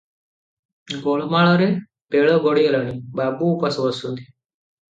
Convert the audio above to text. ଗୋଳମାଳରେ ବେଳ ଗଡିଗଲାଣି, ବାବୁ ଉପାସ ବସିଛନ୍ତି ।